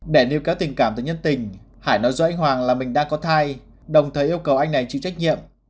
để nêu kéo tình cảm tới nhân tình hải nói do anh hoàng là mình đang có thai đồng thời yêu cầu anh này chịu trách nhiệm